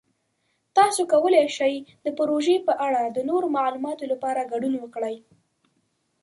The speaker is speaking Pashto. تاسو کولی شئ د پروژې په اړه د نورو معلوماتو لپاره ګډون وکړئ.